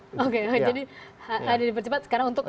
jadi ada dipercepat sekarang untuk